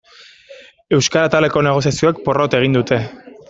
Euskara ataleko negoziazioek porrot egin dute.